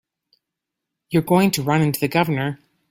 You're going to run into the Governor.